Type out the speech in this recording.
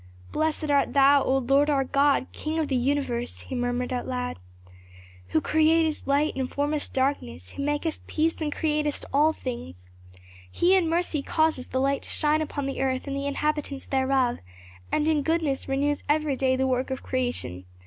"'Blessed art thou, O Lord our God, King of the universe,'" he murmured aloud. "'Who createst light and formest darkness, who makest peace and createst all things! He in mercy causes the light to shine upon the earth and the inhabitants thereof, and in goodness renews every day the work of creation.